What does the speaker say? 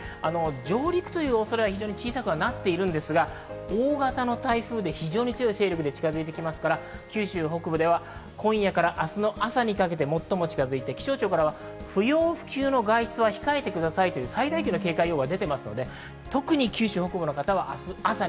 上陸という恐れは非常に小さくなってるんですが、大型の台風で非常に強い勢力で近づいてきますから、九州北部では今夜から明日の朝にかけて最も近づいて気象庁から不要不急の外出は控えてくださいと最大級の警戒が呼びかけられています。